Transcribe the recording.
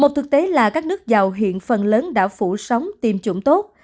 một thực tế là các nước giàu hiện phần lớn đã phủ sóng tiêm chủng tốt